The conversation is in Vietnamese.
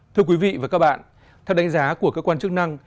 thưa quý vị và các bạn theo đánh giá của cơ quan chức năng